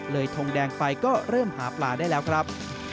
ทงแดงไฟก็เริ่มหาปลาได้แล้วครับ